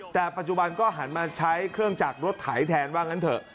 แต่ปัจจุบันก็หันมาใช้เครื่องจักรรถไถแทนว่างั้นเถอะ